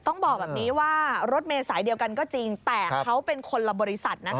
ต้องบอกแบบนี้ว่ารถเมษายเดียวกันก็จริงแต่เขาเป็นคนละบริษัทนะคะ